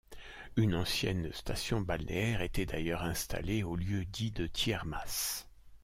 Une ancienne station balnéaire était d'ailleurs installée au lieu dit de Tiermas.